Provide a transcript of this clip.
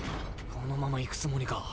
このまま行くつもりか？